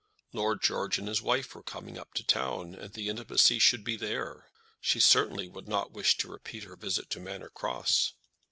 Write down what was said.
Lord George and his wife were coming up to town, and the intimacy should be there. She certainly would not wish to repeat her visit to Manor Cross.